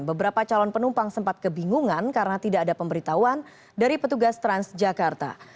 beberapa calon penumpang sempat kebingungan karena tidak ada pemberitahuan dari petugas transjakarta